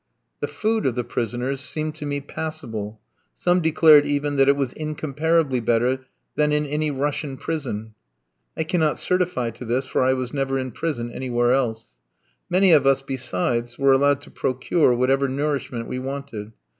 The food of the prisoners seemed to me passable; some declared even that it was incomparably better than in any Russian prison. I cannot certify to this, for I was never in prison anywhere else. Many of us, besides, were allowed to procure whatever nourishment we wanted.